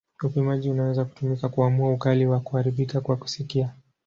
Upimaji unaweza kutumika kuamua ukali wa kuharibika kwa kusikia.